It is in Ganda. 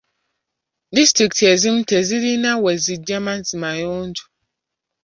Disitulikiti ezimu tezirina we zijja mazzi mayonjo.